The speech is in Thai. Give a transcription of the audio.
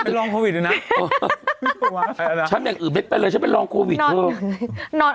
เป็นรองโควิดเลยนะฉันอย่างอื่นไม่เป็นเลยฉันเป็นรองโควิดเถอะ